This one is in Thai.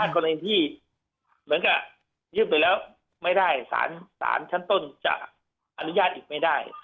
กรณีที่เหมือนกับยื่นไปแล้วไม่ได้สารชั้นต้นจะอนุญาตอีกไม่ได้